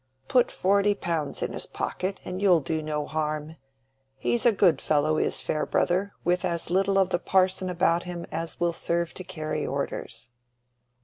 Put forty pounds in his pocket and you'll do no harm. He's a good fellow, is Farebrother, with as little of the parson about him as will serve to carry orders."